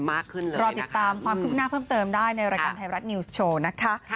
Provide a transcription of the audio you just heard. รอติดตามความคืบหน้าเพิ่มเติมได้ในรายการไทยรัฐนิวส์โชว์นะคะ